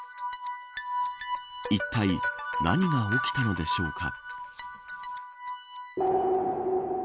いったい何が起きたのでしょうか。